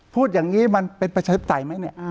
พูดอย่างนี้มันเป็นประชาธิปไตยไหมเนี่ย